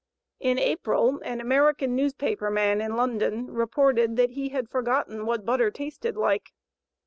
In April an American newspaper man in London reported that he had forgotten what butter tasted like.